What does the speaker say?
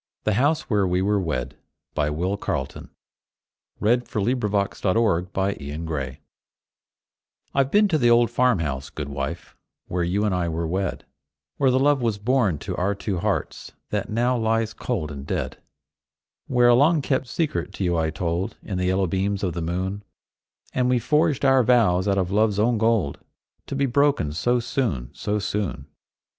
THE HOUSE WHERE WE WERE WED. I've been to the old farm house, good wife, Where you and I were wed; Where the love was born to our two hearts That now lies cold and dead. Where a long kept secret to you I told, In the yellow beams of the moon, And we forged our vows out of love's own gold, To be broken so soon, so soon!